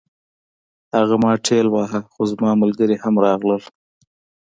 هغه ما ټېل واهه خو زما ملګري هم راغلل